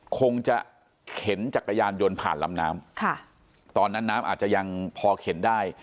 คงจะเข็นจักรยานยนต์ผ่านลำน้ำค่ะตอนนั้นน้ำอาจจะยังพอเข็นได้